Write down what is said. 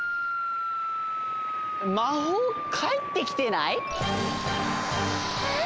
まほうかえってきてない？え？